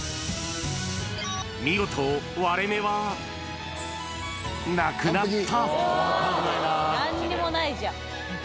見事、割れ目はなくなった。